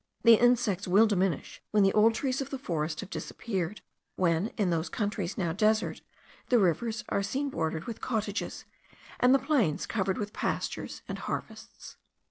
The insects will diminish when the old trees of the forest have disappeared; when, in those countries now desert, the rivers are seen bordered with cottages, and the plains covered with pastures and harvests.